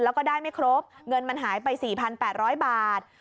แล้วก็ได้ไม่ครบเงินมันหายไป๔๘๐๐บาท